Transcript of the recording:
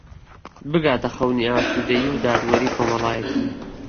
بگاتە خەونی ئاسوودەیی و دادوەریی کۆمەڵایەتی